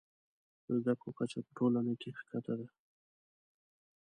د زده کړو کچه په ټولنه کې ښکته ده.